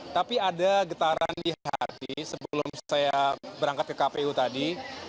tapi ada getaran di hati sebelum saya berangkat ke kpu tadi